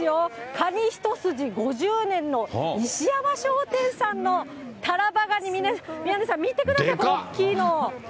カニ一筋５０年の石山商店さんのタラバガニ、宮根さん、見てください、この大きいの。